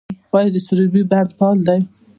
آیا د سروبي بند فعال دی؟